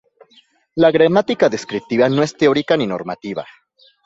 La gramática descriptiva no es teórica ni normativa.